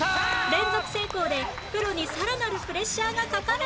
連続成功でプロにさらなるプレッシャーがかかる